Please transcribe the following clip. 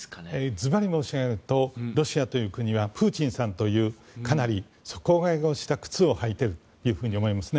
ズバリ申し上げるとロシアという国はプーチンさんという底上げをした靴を履いていると思いますね。